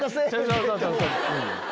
そうそうそうそう。